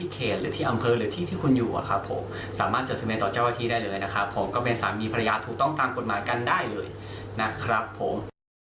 ก็เป็นสามีภรรยาถูกต้องตามกฎหมายกันได้เลยนะครับผม